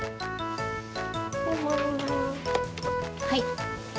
はい。